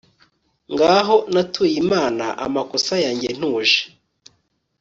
Ngaho natuye Imana amakosa yanjye ntuje